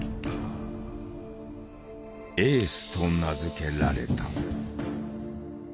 「エース」と名付けられた。